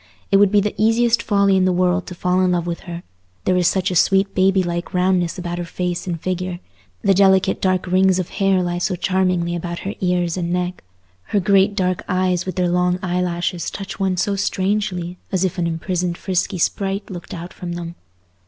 It would be the easiest folly in the world to fall in love with her: there is such a sweet babylike roundness about her face and figure; the delicate dark rings of hair lie so charmingly about her ears and neck; her great dark eyes with their long eye lashes touch one so strangely, as if an imprisoned frisky sprite looked out of them.